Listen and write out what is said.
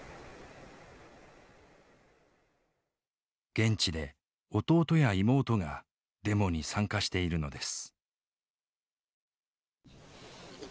現地で弟や妹がデモに参加しているのです。